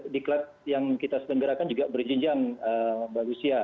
diklat yang kita selenggarakan juga berjinjang mbak lucia